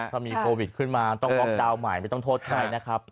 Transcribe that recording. ถ้ามีโควิดขึ้นมาต้องล็อกดาวน์ใหม่ไม่ต้องโทษใครนะครับ